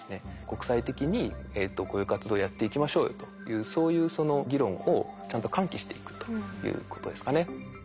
国際的にこういう活動をやっていきましょうよというそういう議論をちゃんと喚起していくということですかね。